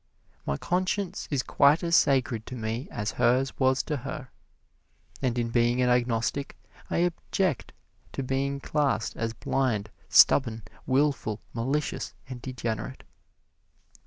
My conscience is quite as sacred to me as hers was to her. And in being an agnostic I object to being classed as blind, stubborn, wilful, malicious and degenerate.